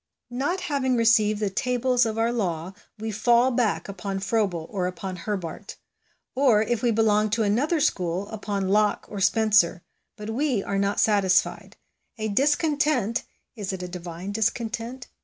Not having received the tables of our law, we PREFACE TO THE ' HOME EDUCATION ' SERIES xi fall back upon Froebel or upon Herbart ; or, if we belong to another School, upon Locke or Spencer; but we are not satisfied. A discontent, is it a divine discontent